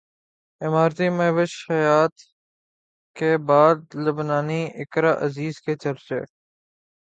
اماراتی مہوش حیات کے بعد لبنانی اقرا عزیز کے چرچے